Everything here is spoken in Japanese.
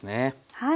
はい。